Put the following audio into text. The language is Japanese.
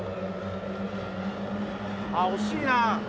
あっ惜しいな。